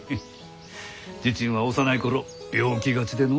時珍は幼い頃病気がちでのう。